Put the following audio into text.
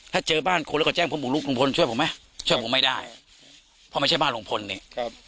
ถ้าเจอบ้านคนแล้วก็แจ้งผมบุกลุกลุงพลช่วยผมไหมช่วยผมไม่ได้เพราะไม่ใช่บ้านลุงพลนี่ครับ